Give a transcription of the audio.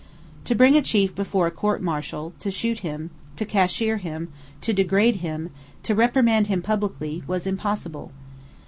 To bring a chief before a court martial, to shoot him, to cashier him, to degrade him, to reprimand him publicly, was impossible.